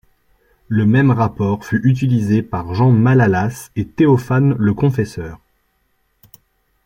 Le même rapport fut utilisé par Jean Malalas et Théophane le Confesseur.